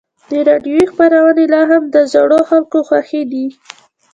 د راډیو خپرونې لا هم د زړو خلکو خوښې دي.